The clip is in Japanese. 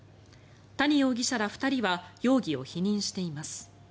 谷容疑者ら２人は容疑を否認しています。